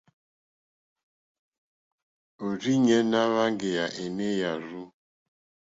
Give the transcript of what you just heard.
Òrzìɲɛ́ ná hwáŋɡèyà énè hwàrzù.